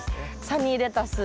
サニーレタス。